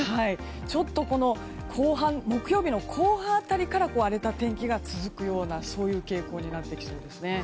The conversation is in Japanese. ちょっと木曜日の後半辺りから荒れた天気が続くような傾向になってきそうですね。